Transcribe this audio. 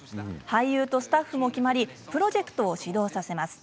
俳優とスタッフも決まりプロジェクトを始動させます。